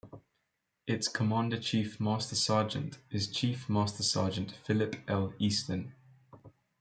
Its Command Chief Master Sergeant is Chief Master Sergeant Phillip L. Easton.